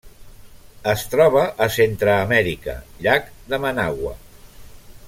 Es troba a Centreamèrica: llac de Managua.